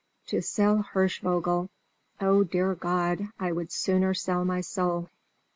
To sell Hirschvogel! Oh, dear God! I would sooner sell my soul!"